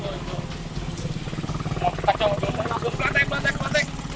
mau retak kaca mobil langsung pelantik pelantik pelantik